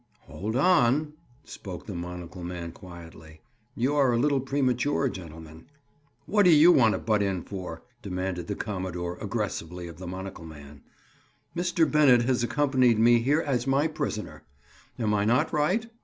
"Hold on," spoke the monocle man quietly. "You are a little premature, gentlemen." "What do you want to butt in for?" demanded the commodore aggressively of the monocle man. "Mr. Bennett has accompanied me here as my prisoner. Am I not right?"